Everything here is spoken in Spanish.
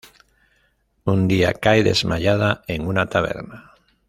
Un día cae desmayada en una taberna.